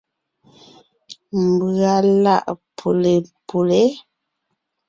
Mbʉ̀a lǎʼ mbʉ́le pʉ́le.